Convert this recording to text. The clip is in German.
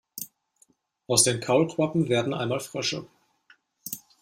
Aus den Kaulquappen werden einmal Frösche.